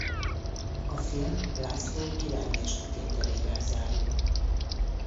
A film László királyi eskütételével zárul.